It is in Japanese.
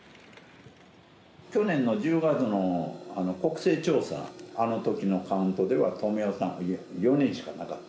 去年の１０月の国勢調査、あのときのカウントでは、４人しかなかった。